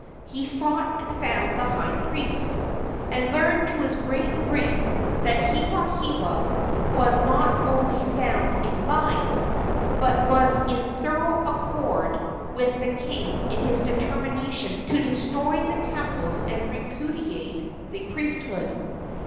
He sought and found the high priest, and learned to his great grief that Hewahewa was not only sound in mind, but was in thorough accord with the king in his determination to destroy the temples and repudiate the priesthood.